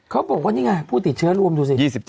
เขาบอกว่านี่ไงผู้ติดเชื้อรวมดูสิ